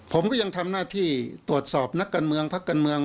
ผมก็ยังทำหน้าที่ตรวจสอบนักการเมืองพักการเมือง